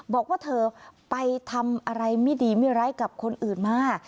บอกว่าเธอไปทำอะไรไม่ดีไม่ร้ายกับคนอื่นมา